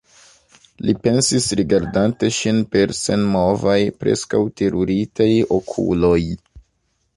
li pensis, rigardante ŝin per senmovaj, preskaŭ teruritaj okuloj.